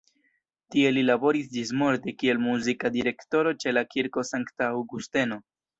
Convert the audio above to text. Tie li laboris ĝismorte kiel muzika direktoro ĉe la Kirko Sankta Aŭgusteno.